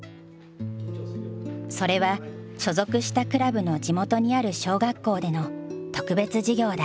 それは所属したクラブの地元にある小学校での特別授業だ。